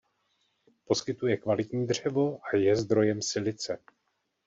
Poskytuje kvalitní dřevo a je zdrojem silice.